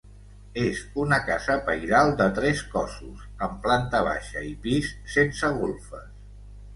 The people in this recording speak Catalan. És una casa pairal de tres cossos, amb planta baixa i pis, sense golfes.